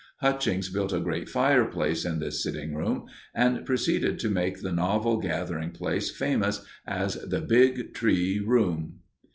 Hutchings built a great fireplace in this sitting room and proceeded to make the novel gathering place famous as the "Big Tree Room."